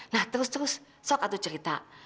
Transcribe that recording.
nah terus terus soal kata cerita